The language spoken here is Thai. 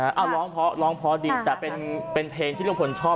เอาร้องพอร้องพอดีแต่เป็นเพลงที่ลุงพลชอบ